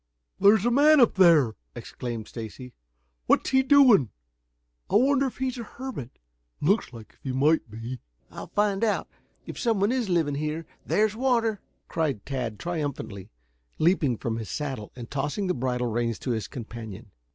"There's a man up there!" exclaimed Stacy. "What's he doing? I wonder if he's a hermit? Looks as if he might be." "I'll find out. If some one is living here, there's water," cried Tad triumphantly, leaping from his saddle and tossing the bridle reins to his companion.